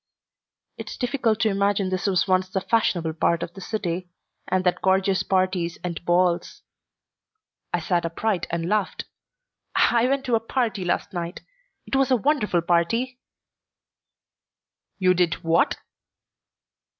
"It's difficult to imagine this was once the fashionable part of the city, and that gorgeous parties and balls " I sat upright and laughed. "I went to a party last night. It was a wonderful party." "You did what?"